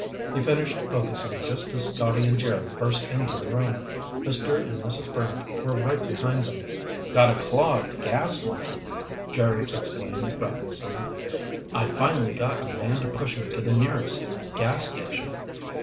He finished focusing just as Scotty and Jerry burst into the room. Mr. and Mrs. Brant were right behind them. "Got a clogged gas line," Jerry explained breathlessly. "I finally got a man to push me to the nearest gas station.